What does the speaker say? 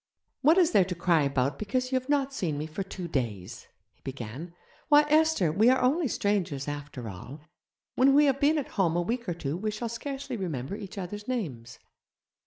'What is there to cry about because you have not seen me for two days?' he began; 'why, Esther, we are only strangers, after all. When we have been at home a week or two we shall scarcely remember each other's names.'